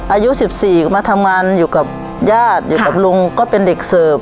อายุ๑๔ก็มาทำงานอยู่กับญาติอยู่กับลุงก็เป็นเด็กเสิร์ฟ